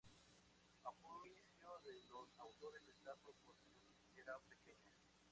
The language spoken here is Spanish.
A juicio de los autores está proporción era pequeña.